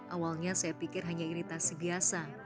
awalnya saya pikir hanya iritasi biasa